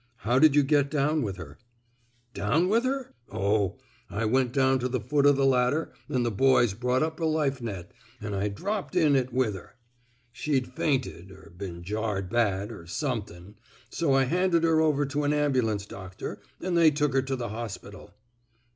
How did you get down with her! "Down with her! ... Oh! ... I went down to the foot o' the ladder an' the boys brought up a life net, an' I dropped in it with her. She'd fainted — er been jarred bad — er somethin', so I handed her over to an ambulance doctor, an' they took her to the hospital."